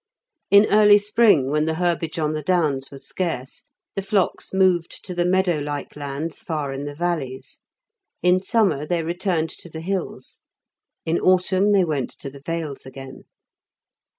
In early spring when the herbage on the downs was scarce, the flocks moved to the meadowlike lands far in the valleys; in summer they returned to the hills; in autumn they went to the vales again.